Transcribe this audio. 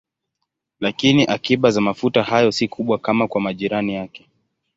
Lakini akiba za mafuta hayo si kubwa kama kwa majirani yake.